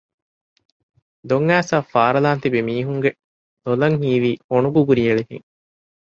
ދޮން އައިސަ އަށް ފާރަލާން ތިބި މީހުންގެ ލޮލަށް ހީވީ ހޮނުގުގުރި އެޅި ހެން